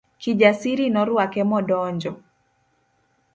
Kijasiri norwake modonjo.